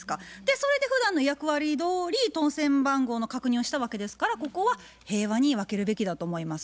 それでふだんの役割どおり当せん番号の確認をしたわけですからここは平和に分けるべきだと思います。